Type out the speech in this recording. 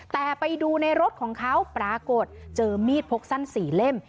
แต่ไปดูในรถของเขาปรากฏเจอมีดพกสั้น๔เล่ม